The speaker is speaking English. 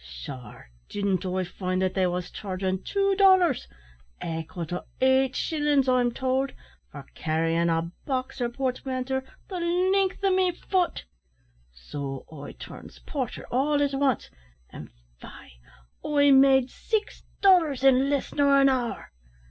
Sure, didn't I find that they wos chargin' tshoo dollars aiqual to eight shillin's, I'm towld for carryin' a box or portmanter the length o' me fut; so I turns porter all at wance, an' faix I made six dollars in less nor an hour.